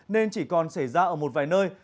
nên chỉ còn xảy ra ở một vài nơi